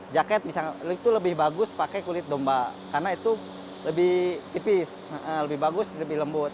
jaket bisa lebih bagus pakai kulit domba karena itu lebih tipis lebih bagus lebih lembut